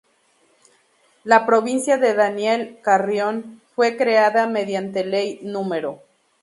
La Provincia de Daniel A. Carrión fue creada mediante Ley No.